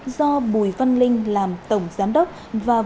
do bùi văn linh làm tổng giám đốc và vũ ngọc